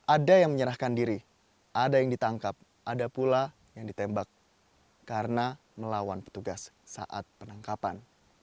ada yang menyerahkan diri ada yang ditangkap ada pula yang ditembak karena melawan petugas saat penangkapan